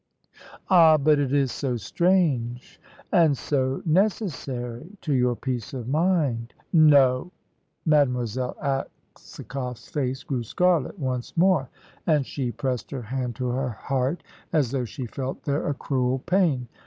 "Ah, but it is so strange!" "And so necessary to your peace of mind." "No!" Mademoiselle Aksakoff's face grew scarlet once more, and she pressed her hand to her heart, as though she felt there a cruel pain.